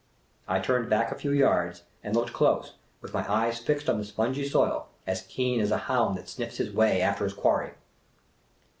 I turned back a few yards and looked close, with my eyes fixed on the spongy soil, as keen as a hound that sniffs his way after his quarry.